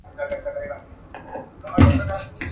په یوه شپه به پردي سي شتمنۍ او نعمتونه.